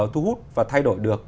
thu hút và thay đổi được